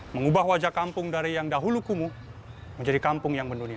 mengubah wajah kampung dari yang dahulu kumuh menjadi kampung yang mendunia